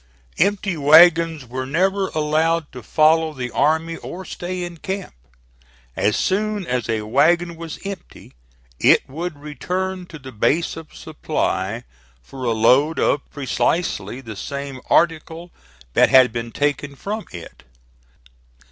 Empty wagons were never allowed to follow the army or stay in camp. As soon as a wagon was empty it would return to the base of supply for a load of precisely the same article that had been taken from it.